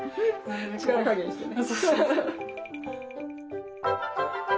力加減してね。